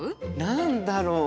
何だろう。